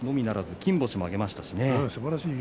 金星も挙げましたしね。